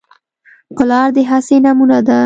پلار د هڅې نمونه ده.